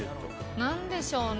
なんでしょうね？